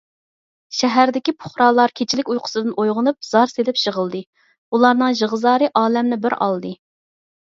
شەھەردىكى پۇقرالار كېچىلىك ئۇيقۇسىدىن ئويغىنىپ، زار سېلىپ يىغلىدى، ئۇلارنىڭ يىغا - زارى ئالەمنى بىر ئالدى.